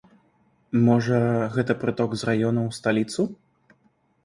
Можа, гэта прыток з раёнаў у сталіцу?